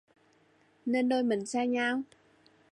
Nên đôi mình xa nhau